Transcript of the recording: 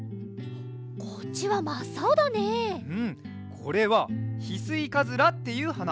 これはヒスイカズラっていうはな。